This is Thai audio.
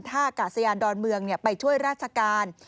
ท่ากาศยานดอนเมืองไปช่วยราชการ